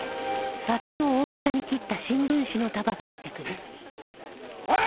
えっ？おい！